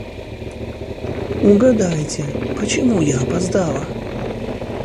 Угадайте, почему я опоздала?